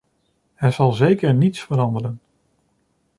Er zal zeker niets veranderen.